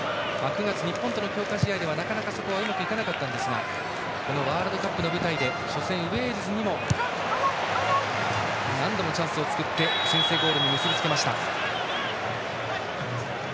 ９月、日本との強化試合ではなかなかそこはうまくいかなかったんですがこのワールドカップの舞台で初戦、ウェールズにも何度もチャンスを作って先制ゴールに結び付けました。